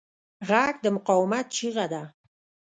غږ د مقاومت چیغه ده